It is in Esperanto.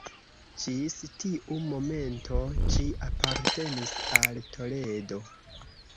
Ĝis tiu momento ĝi apartenis al Toledo.